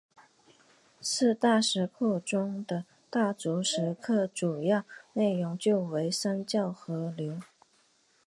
四大石窟中的大足石刻主要内容就为三教合流。